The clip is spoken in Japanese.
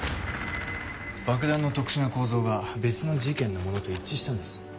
爆弾の特殊な構造が別の事件の物と一致したんです。